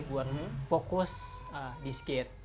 buat fokus di skate